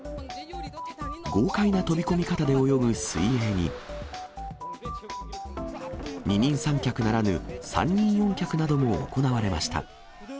豪快な飛び込み方で泳ぐ水泳に、二人三脚ならぬ三人四脚なども行われました。